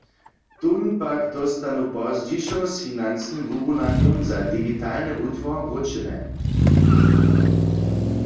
Tón pak dóstanu pozdźišo z financnym wurunanjom za digitalny wutwar wróćene.